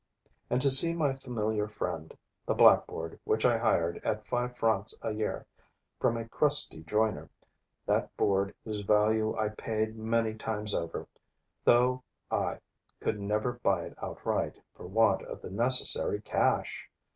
And to see my familiar friend, the blackboard which I hired at five francs a year from a crusty joiner, that board whose value I paid many times over, though I. could never buy it outright, for want of the necessary cash!